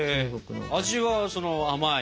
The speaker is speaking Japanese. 味はその甘い？